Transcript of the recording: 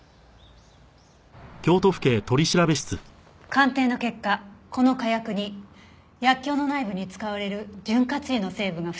鑑定の結果この火薬に薬莢の内部に使われる潤滑油の成分が付着していました。